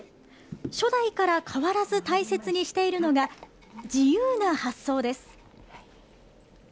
初代から変わらず大切にしているのが自由な発想です。